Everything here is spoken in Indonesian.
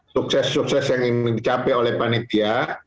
sukses sukses yang ingin dicapai oleh panitia